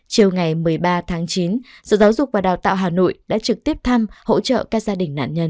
chiều ngày một mươi ba tháng chín sở giáo dục và đào tạo hà nội đã trực tiếp thăm hỗ trợ các gia đình nạn nhân